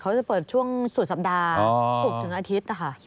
เขาจะเปิดช่วงสุดสัปดาห์ศุกร์ถึงอาทิตย์นะคะ